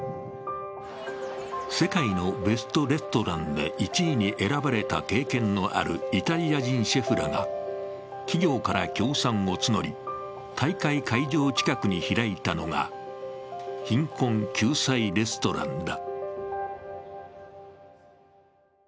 世界のベスト・レストランで１位に選ばれた経験のあるイタリア人シェフらが、企業から協賛を募り、大会会場近くに開いたのが、貧困救済レストランだ。